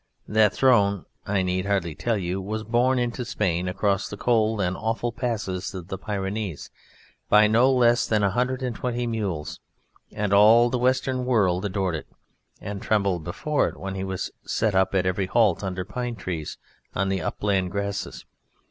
That throne (I need hardly tell you) was borne into Spain across the cold and awful passes of the Pyrenees by no less than a hundred and twenty mules, and all the Western world adored it, and trembled before it when it was set up at every halt under pine trees, on the upland grasses.